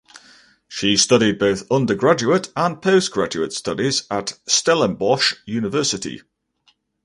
She studied both undergraduate and postgraduate studies at Stellenbosch University.